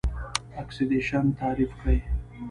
اکسیدیشن تعریف کړئ.